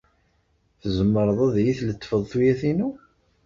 Tzemreḍ ad iyi-tletfeḍ tuyat-inu?